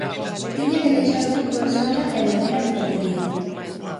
Tiña que deixar o fútbol sala e volver á enfermería.